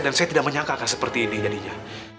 dan saya tidak menyangka akan seperti ini jadinya